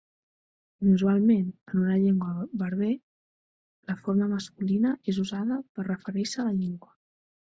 Inusualment en una llengua berber, la forma masculina és usada per referir-se a la llengua.